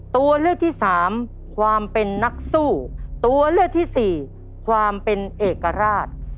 ตัวเลือกที่สามความเป็นนักสู้ตัวเลือกที่สี่ความเป็นเอกราช